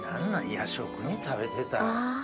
夜食に食べてたら。